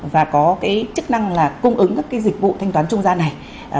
và có cái chức năng là cung ứng các cái dịch vụ thanh toán trung gian này